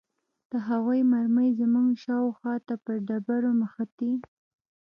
د هغوى مرمۍ زموږ شاوخوا ته پر ډبرو مښتې.